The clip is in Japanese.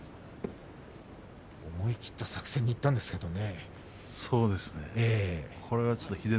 思い切った作戦にいったんですけれどもね。